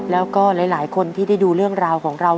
แล้วก็หลายคนที่ได้ดูเรื่องราวของเรา